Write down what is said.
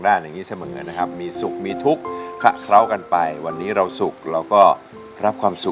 ได้ครับ